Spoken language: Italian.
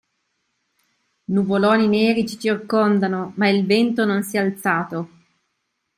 Nuvoloni neri ci circondano, ma il vento non si è alzato.